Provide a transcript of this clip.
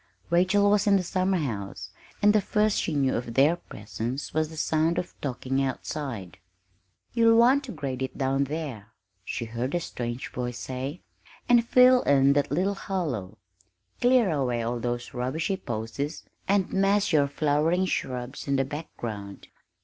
Rachel was in the summerhouse, and the first she knew of their presence was the sound of talking outside. "You'll want to grade it down there," she heard a strange voice say, "and fill in that little hollow; clear away all those rubbishy posies, and mass your flowering shrubs in the background.